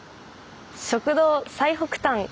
「食堂最北端」。